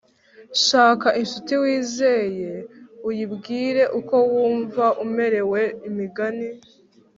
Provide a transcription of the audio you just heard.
shaka incuti wizeye uyibwire uko wumva umerewe imigani